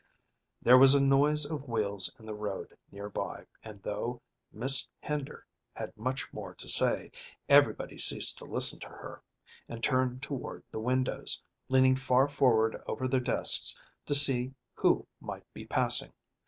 There was a noise of wheels in the road near by, and, though Miss Hender had much more to say, everybody ceased to listen to her, and turned toward the windows, leaning far forward over their desks to see who might be passing.